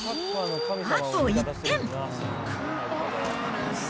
あと１点。